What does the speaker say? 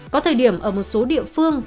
có thời điểm ở một số địa phương